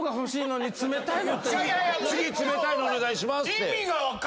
次冷たいのお願いしますって。